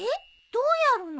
どうやるの？